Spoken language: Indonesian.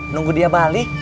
nunggu dia balik